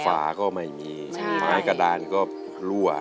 ฝาก็ไม่มีไม้กระดานก็รั่ว